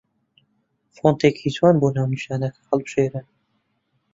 فۆنتێکی جوان بۆ ناونیشانەکە هەڵبژێن